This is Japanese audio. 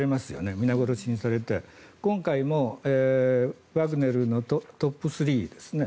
皆殺しにされて今回もワグネルのトップ３ですね